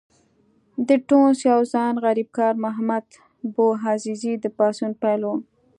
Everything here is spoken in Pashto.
د ټونس یو ځوان غریبکار محمد بوعزیزي د پاڅون پیل و.